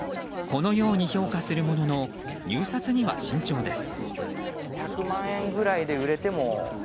このように評価するものの入札には慎重です。